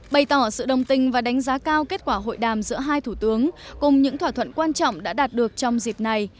bày tỏ sự đồng tình và đánh giá cao kết quả hội đàm giữa hai thủ tướng cùng những thỏa thuận quan trọng đã đạt được trong dịp này